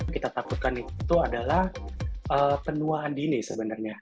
kita takutkan itu adalah penuaan dini sebenarnya